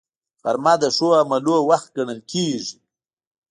غرمه د ښو عملونو وخت ګڼل کېږي